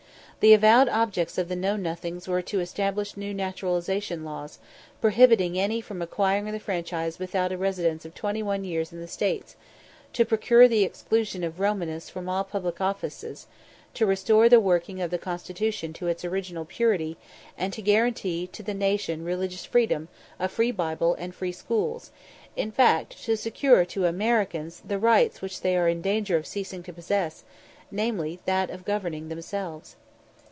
The avowed objects of the Know nothings were to establish new naturalization laws, prohibiting any from acquiring the franchise without a residence of twenty one years in the States to procure the exclusion of Romanists from all public offices to restore the working of the constitution to its original purity and to guarantee to the nation religious freedom, a free Bible, and free schools; in fact, to secure to Americans the right which they are in danger of ceasing to possess namely, that of governing themselves.